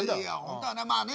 まあね